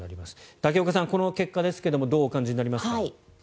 竹岡さん、この結果ですがどうお感じになりますか？